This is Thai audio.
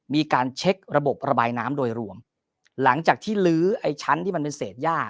มีการเช็คระบบระบายน้ำโดยรวมหลังจากที่ลื้อไอ้ชั้นที่มันเป็นเศษย่า